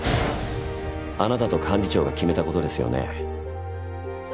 あなたと幹事長が決めたことですよね？